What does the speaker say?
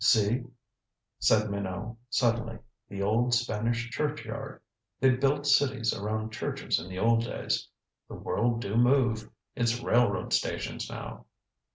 "See," said Minot suddenly, "the old Spanish churchyard. They built cities around churches in the old days. The world do move. It's railroad stations now."